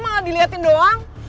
malah dilihatin doang